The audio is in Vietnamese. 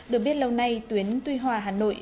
được biết lâu nay tuyến tuy hòa hà nội